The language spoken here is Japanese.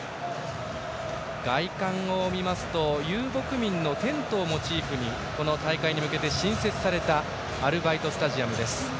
外観を見ますと遊牧民のテントをモチーフにこの大会に向けて新設されたアルバイトスタジアムです。